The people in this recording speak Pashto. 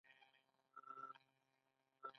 د میرمنو کار د ټولنې برابري راولي.